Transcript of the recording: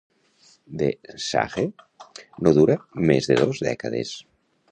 "The Sage" no dura més de dos dècades.